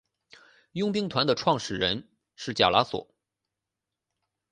佣兵团的创始人是贾拉索。